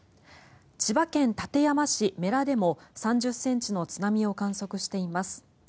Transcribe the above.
千葉県館山市布良でも３０ｃｍの津波を確認しています。